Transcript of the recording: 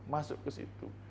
masuk ke situ